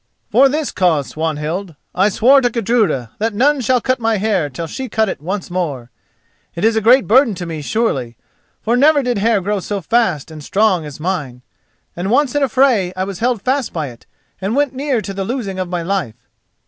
"For this cause, Swanhild: I swore to Gudruda that none should cut my hair till she cut it once more. It is a great burden to me surely, for never did hair grow so fast and strong as mine, and once in a fray I was held fast by it and went near to the losing of my life.